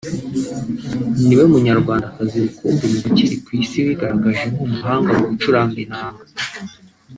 ni we Munyarwandakazi rukumbi mu bakiri ku Isi wigaragaje nk’umuhanga mu gucuranga inanga